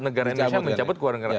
negara indonesia mencabut kewarganegaraan